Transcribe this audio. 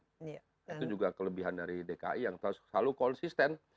itu juga kelebihan dari dki yang selalu konsisten